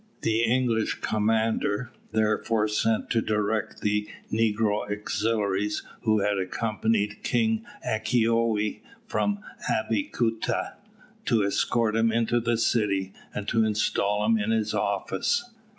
The English commander, therefore, sent to direct the negro auxiliaries who had accompanied King Akitoye from Abeokuta to escort him into the city, and to install him in his office.